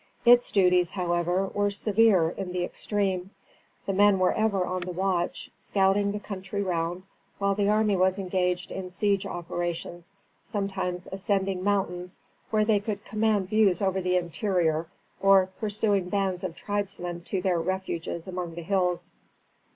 Its duties, however, were severe in the extreme. The men were ever on the watch, scouting the country round, while the army was engaged in siege operations, sometimes ascending mountains whence they could command views over the interior or pursuing bands of tribesmen to their refuges among the hills.